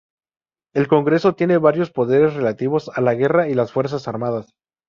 El Congreso tiene varios poderes relativos a la guerra y las fuerzas armadas.